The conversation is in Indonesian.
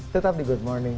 tetap di good morning